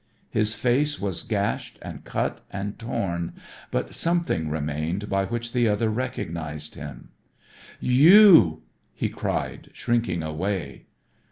His face was gashed and cut and torn but something remained by which the other recognized him. "You!" he cried shrinking away.